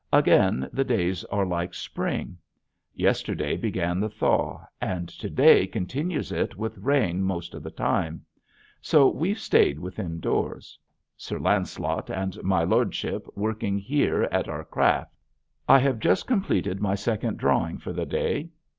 Again the days are like spring. Yesterday began the thaw and today continues it with rain most of the time. So we've stayed within doors, Sir Lancelot and my lordship working here at our craft. I have just completed my second drawing for the day.